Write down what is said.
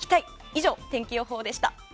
以上、天気予報でした。